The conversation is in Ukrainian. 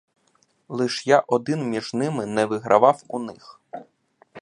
Лиш я один між ними не вигравав у них.